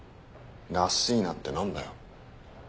「らしいな」って何だよ。